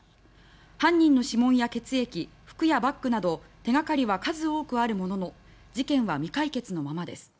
犯人の指紋や血液服やバッグなど手掛かりは数多くあるものの事件は未解決のままです。